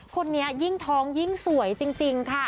คนนี้ยิ่งท้องยิ่งสวยจริงค่ะ